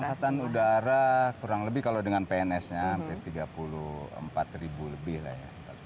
angkatan udara kurang lebih kalau dengan pns nya hampir tiga puluh empat ribu lebih lah ya